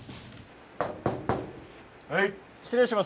はい。